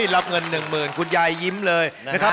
รับเงิน๑๐๐๐คุณยายยิ้มเลยนะครับ